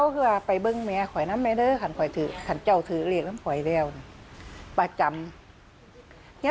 ก็ยังสานก็ยังพี่